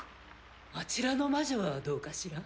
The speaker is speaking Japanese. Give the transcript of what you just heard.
あちらの魔女はどうかしら？